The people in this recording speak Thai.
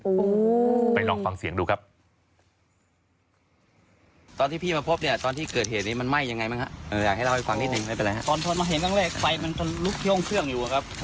โอ้โหไปลองฟังเสียงดูครับ